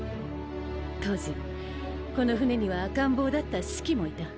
当時この船には赤ん坊だったシキもいた。